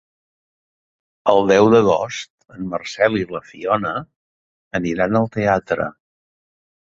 El deu d'agost en Marcel i na Fiona aniran al teatre.